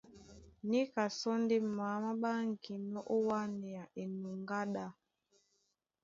Níka sɔ́ ndé maá má ɓáŋginɔ́ ó wánea enuŋgá ɗá.